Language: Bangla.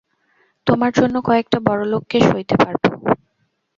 তোমার জন্য কয়েকটা বড়লোককে সইতে পারবো।